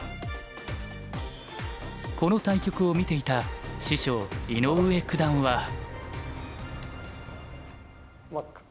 この対局を見ていた師匠井上九段は。